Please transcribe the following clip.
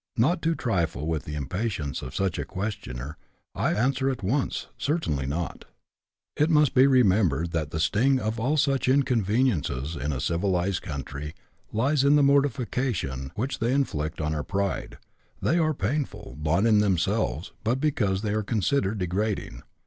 Not to trifle with the impatience of such a questioner, I answer at once, certainly not. 154 BUSH LIFE IN AUSTRALIA. [chap. xiv. It must be remembered that the sting of all such inconveniences in a civilized country lies in the mortification which they inflict on our pride ; they are painful, not in themselves, but because they are considered degrading.